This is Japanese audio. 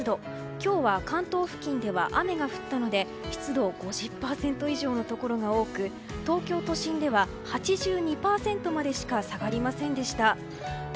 今日は関東付近では雨が降ったので湿度５０％以上のところが多く東京都心では８２％までしか下がりませんでした。